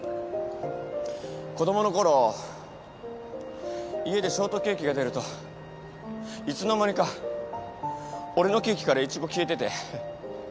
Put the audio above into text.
子供のころ家でショートケーキが出るといつの間にか俺のケーキからイチゴ消えてて。